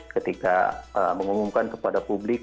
ketika mengumumkan kepada publik